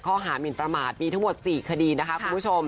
หมินประมาทมีทั้งหมด๔คดีนะคะคุณผู้ชม